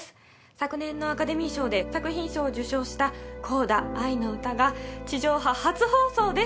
昨年のアカデミー賞で作品賞を受賞した『コーダあいのうた』が地上波初放送です！